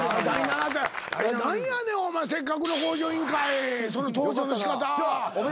何やねんお前せっかくの『向上委員会』その登場の仕方。